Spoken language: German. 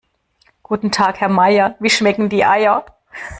Guten Tag Herr Meier, wie schmecken die Eier?